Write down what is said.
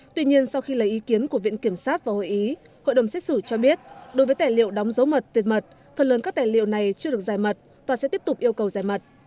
tuy nhiên sau khi lấy ý kiến của viện kiểm sát và hội ý hội đồng xét xử cho biết đối với tài liệu đóng dấu mật tuyệt mật phần lớn các tài liệu này chưa được giải mật tòa sẽ tiếp tục yêu cầu giải mật